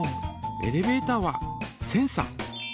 エレベータはセンサ